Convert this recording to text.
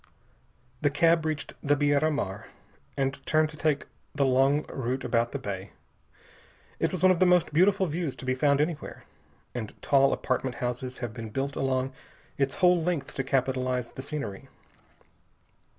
The cab reached the Beira Mar, and turned to take the long route about the bay. It is one of the most beautiful views to be found anywhere, and tall apartment houses have been built along its whole length to capitalize the scenery.